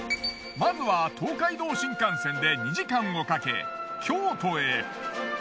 まずは東海道新幹線で２時間をかけ京都へ。